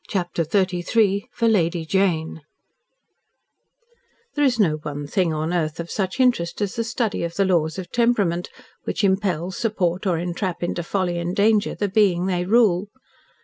CHAPTER XXXIII FOR LADY JANE There is no one thing on earth of such interest as the study of the laws of temperament, which impel, support, or entrap into folly and danger the being they rule.